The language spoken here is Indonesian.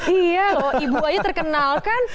iya loh ibu aja terkenalkan